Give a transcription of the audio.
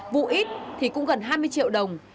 vụ ít thì cũng gần hai mươi triệu đồng